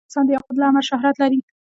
افغانستان د یاقوت له امله شهرت لري.